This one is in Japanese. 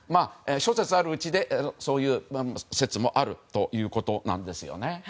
諸説あるうち、そういう説もあるということですね。